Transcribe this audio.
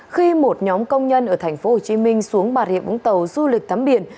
khi một nhóm công nhân ở tp hcm xuống bà rịa vũng tàu du lịch tắm biển